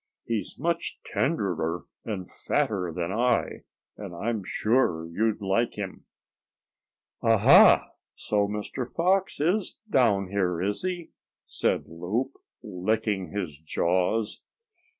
He's much tenderer and fatter than I, and I'm sure you'd like him." "Ah! Ha! So Mr. Fox is down here, is he?" said Loup, licking his jaws.